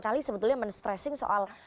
kali sebetulnya men stressing soal